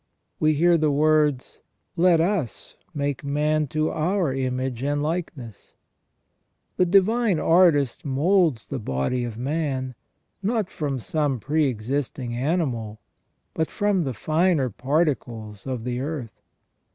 We hear the words :" Let us make man to our image and likeness ". The Divine Artist moulds the body of man, not from some pre existing animal, but from the finer particles of the earth.